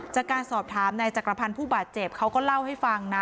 จากการสอบถามนายจักรพันธ์ผู้บาดเจ็บเขาก็เล่าให้ฟังนะ